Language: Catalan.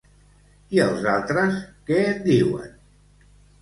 I els altres, què en diuen?